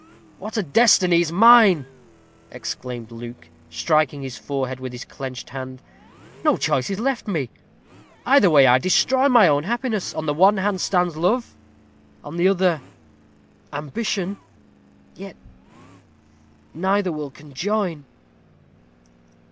"What a destiny is mine!" exclaimed Luke, striking his forehead with his clenched hand. "No choice is left me. Either way I destroy my own happiness. On the one hand stands love on the other, ambition; yet neither will conjoin."